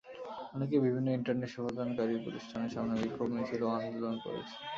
অনেকেই বিভিন্ন ইন্টারনেট সেবাদানকারী প্রতিষ্ঠানের সামনে বিক্ষোভ মিছিল ও আন্দোলন করেছেন।